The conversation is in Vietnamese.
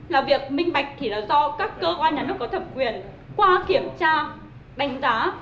là việc minh bạch thì là do các cơ quan nhà nước có thẩm quyền qua kiểm tra đánh giá